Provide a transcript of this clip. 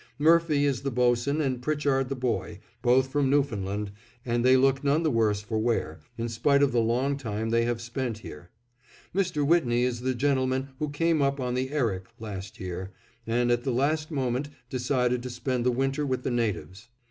Murphy is the boatswain and Pritchard the boy, both from Newfoundland, and they look none the worse for wear, in spite of the long time they have spent here. Mr. Whitney is the gentleman who came up on the Erik last year, and at the last moment decided to spend the winter with the natives.